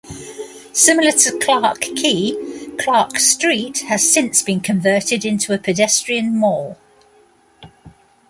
Similar to Clarke Quay, Clarke Street has since been converted into a pedestrian mall.